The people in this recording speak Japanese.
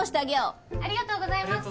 ありがとうございます。